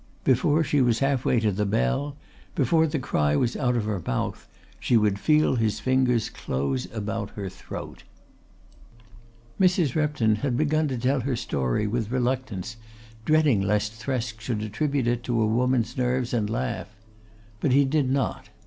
Before she was half way to the bell, before the cry was out of her mouth she would feel his fingers close about her throat. Mrs. Repton had begun to tell her story with reluctance, dreading lest Thresk should attribute it to a woman's nerves and laugh. But he did not.